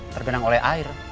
terbenang oleh air